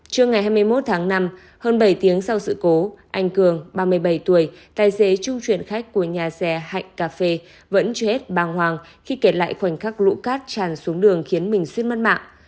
trưa ngày hai mươi một tháng năm hơn bảy tiếng sau sự cố anh cường ba mươi bảy tuổi tài xế trung chuyển khách của nhà xe hạnh cà phê vẫn chưa hết bàng hoàng khi kể lại khoảnh khắc lũ cát tràn xuống đường khiến mình suýt mất mạng